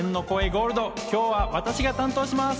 ゴールド、今日は私が担当します。